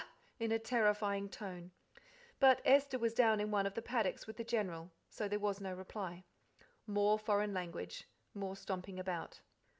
in a terrifying tone. But Esther was down in one of the paddocks with the General, so there was no reply. More foreign language, more stomping about.